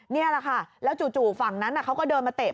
นี่แหละค่ะแล้วจู่ฝั่งนั้นเขาก็เดินมาเตะ